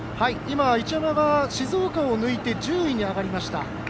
一山が静岡を抜いて１０位に上がりました。